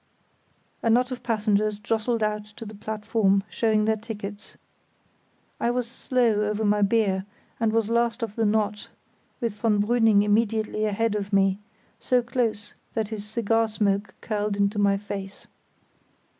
A knot of passengers jostled out to the platform, showing their tickets. I was slow over my beer, and was last of the knot, with von Brüning immediately ahead of me, so close that his cigar smoke curled into my face.